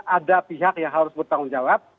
ada pihak yang harus bertanggung jawab